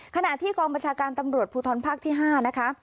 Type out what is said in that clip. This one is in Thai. ขณะที่กองบรรชาการตำรวจพภห้างนะคะ